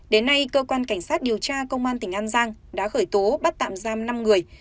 đến nay cơ quan cảnh sát điều tra công an tỉnh an giang đã khởi tố bắt tạm giam năm người